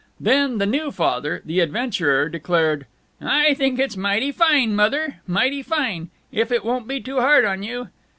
Then the new Father, the adventurer, declared, "I think it's mighty fine, Mother. Mighty fine. If it won't be too hard on you."